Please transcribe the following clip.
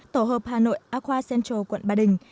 tổ hợp hà nội aqua central quận ba đình